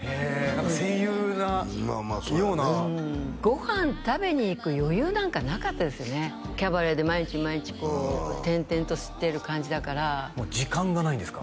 何か戦友なまあまあそうやねご飯食べに行く余裕なんかなかったですねキャバレーで毎日毎日こう転々としてる感じだからもう時間がないんですか？